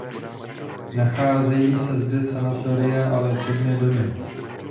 Nacházejí se zde sanatoria a léčebné domy.